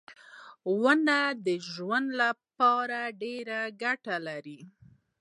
ونې د ژوند لپاره ډېرې ګټې لري.